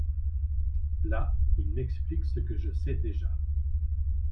Là, il m’explique ce que je sais déjà.